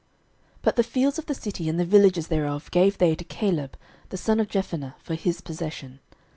06:021:012 But the fields of the city, and the villages thereof, gave they to Caleb the son of Jephunneh for his possession.